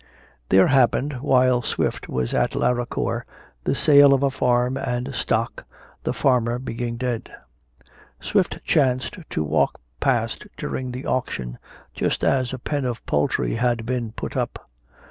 There happened, while Swift was at Laracor, the sale of a farm and stock, the farmer being dead. Swift chanced to walk past during the auction just as a pen of poultry had been put up.